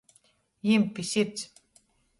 Jimt pi sirds.